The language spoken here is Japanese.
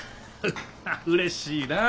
うれしいなぁ。